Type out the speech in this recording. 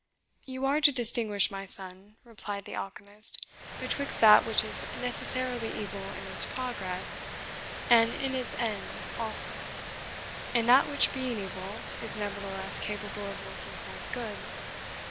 "You are to distinguish, my son," replied the alchemist, "betwixt that which is necessarily evil in its progress and in its end also, and that which, being evil, is, nevertheless, capable of working forth good.